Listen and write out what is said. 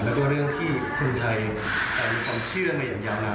แล้วก็เรื่องที่คนไทยมีความเชื่อมาอย่างยาวนาน